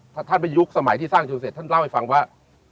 ถ้าท่านไปยุคสมัยที่สร้างอยู่เสร็จท่านเล่าให้ฟังว่า